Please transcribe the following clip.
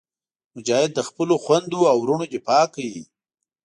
مجاهد د خپلو خویندو او وروڼو دفاع کوي.